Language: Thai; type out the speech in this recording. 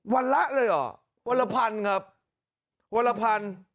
วันละเลยเหรอวันละพันครับวันละพัน